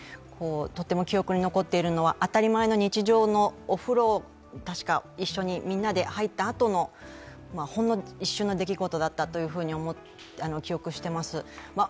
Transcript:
とても記憶に残っているのは当たり前の日常のお風呂、確か、一緒にみんなで入ったあとの、ほんの一瞬の出来事だったと記憶しています。